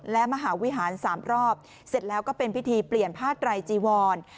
และมหาวิหาร๓รอบเสร็จแล้วก็เป็นพิธีเปลี่ยนผ้าไตรจีวร